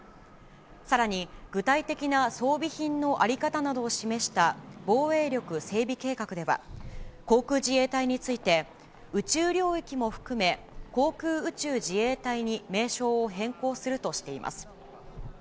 さらに、具体的な装備品の在り方などを示した防衛力整備計画では、航空自衛隊について、宇宙領域も含め、航空宇宙自衛隊に名称を変更するとしています。